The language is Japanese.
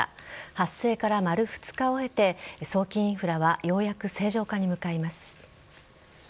発生から丸２日を経て送金インフラはようやく正常化に向かいます。